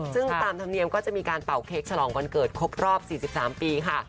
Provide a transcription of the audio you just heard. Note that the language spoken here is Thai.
ซึ่งตามธรรมเนียมก็จะมีการเป่าเค้กฉลองวันเกิดครบรอบ๔๓ปีค่ะ